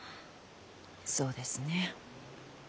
そうですねぇ。